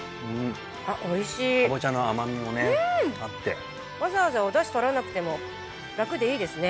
あっおいしいカボチャの甘みもねあってわざわざお出汁とらなくても楽でいいですね